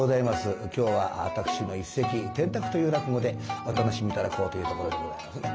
今日は私の一席「転宅」という落語でお楽しみ頂こうというところでございます。